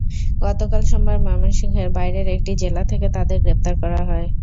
গতকাল সোমবার ময়মনসিংহের বাইরের একটি জেলা থেকে তাদের গ্রেপ্তার করা হয়।